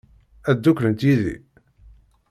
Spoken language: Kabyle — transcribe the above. Ad dduklent yid-i?